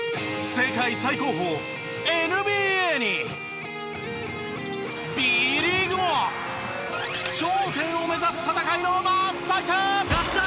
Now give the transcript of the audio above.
世界最高峰ＮＢＡにＢリーグも頂点を目指す戦いの真っ最中！